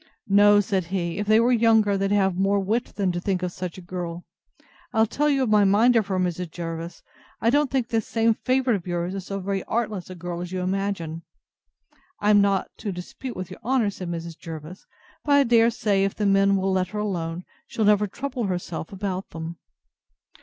No, said he, if they were younger, they'd have more wit than to think of such a girl; I'll tell you my mind of her, Mrs. Jervis: I don't think this same favourite of yours so very artless a girl as you imagine. I am not to dispute with your honour, said Mrs. Jervis; but I dare say, if the men will let her alone, she'll never trouble herself about them.